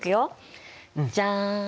じゃん。